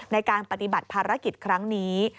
ในการปฏิบัติภารกิจครั้งนี้